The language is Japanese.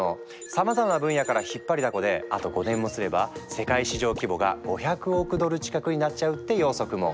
さまざまな分野から引っ張りだこであと５年もすれば世界市場規模が５００億ドル近くになっちゃうって予測も！